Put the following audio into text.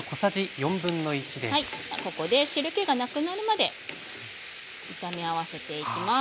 ここで汁けがなくなるまで炒め合わせていきます。